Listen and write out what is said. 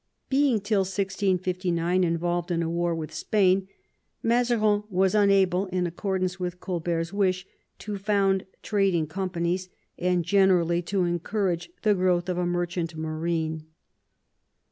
Being till 1659 involved in a war with Spain, Mazarin was unable, in accordance with Colbert's wish, to found trading companies, and generally to encourage the growth of a merchant marine.